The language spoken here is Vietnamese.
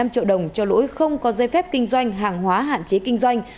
hai mươi hai năm triệu đồng cho lỗi không có dây phép kinh doanh hàng hóa hạn chế kinh doanh